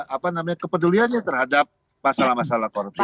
apa namanya kepeduliannya terhadap masalah masalah korupsi